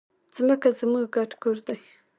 ځمکه زموږ ګډ کور دی.